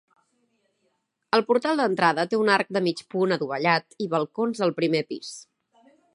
El portal d'entrada té un arc de mig punt adovellat i balcons al primer pis.